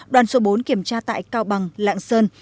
đoàn số bốn kiểm tra tại cao bằng lạng sơn